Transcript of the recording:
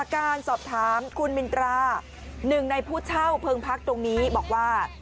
การสอบถามคุณมินตราหนึ่งในผู้เช่าเพิงพักตรงนี้บอกว่า